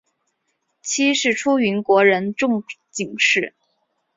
妻是出云国人众井氏。